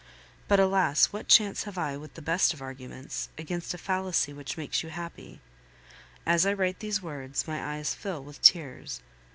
But, alas! what chance have I with the best of arguments against a fallacy which makes you happy? As I write these words, my eyes fill with tears.